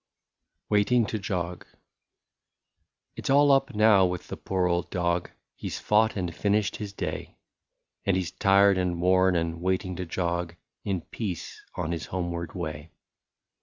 98 WAITING TO JOG. It 's all up now with the poor old dog — He 's fought and finished his day ; And he 's tired and worn and waiting to jog In peace on his homeward way.